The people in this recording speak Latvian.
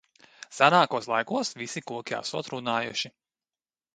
Senākos laikos visi koki esot runājuši.